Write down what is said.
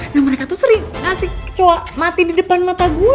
nah mereka tuh sering ngasih mati di depan mata gue